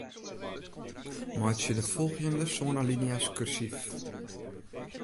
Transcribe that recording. Meitsje de folgjende sân alinea's kursyf.